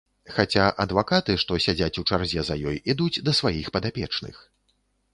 Хаця адвакаты, што сядзяць у чарзе за ёй, ідуць да сваіх падапечных.